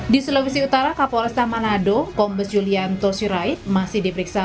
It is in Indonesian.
di sulawesi utara kapolesta manado kompes julian tosirait masih diperiksa